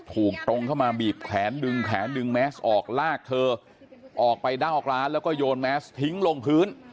ตรงเข้ามาบีบแขนดึงแขนดึงแมสออกลากเธอออกไปนอกร้านแล้วก็โยนแมสทิ้งลงพื้น